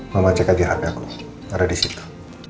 mama cek aja hp aku ada disitu